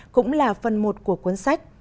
cũng là phần một của cuốn sách